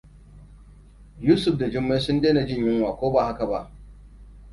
Yusuf da Jummai sun dena jin yunwa, ko ba haka ba?